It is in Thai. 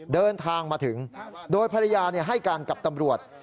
เดินทางมาถึงโดยภรรยาให้การกับตำรวจ